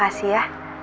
mas makasih ya